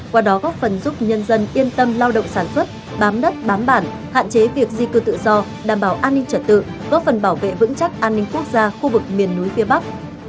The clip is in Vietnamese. qua đó góp phần giúp nhân dân yên tâm lao động sản xuất bám đất bám bản hạn chế việc di cư tự do đảm bảo an ninh trật tự góp phần bảo vệ vững chắc an ninh quốc gia khu vực miền núi phía bắc